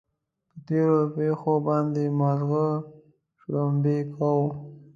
پر تېرو پېښو باندې ماغزه شړومبې کوو.